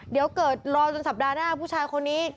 เดี๋ยวเกิดรอจนสัปดาห์หน้าผู้ชายคนนี้